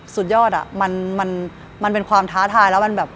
สุดยอดอะมันเป็นความท้าทายแล้วมันแบบ